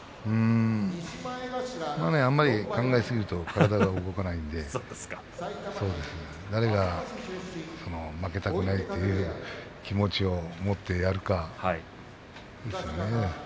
あんまり考えすぎると体が動かないので誰が負けたくないという気持ちを持ってやるかですよね。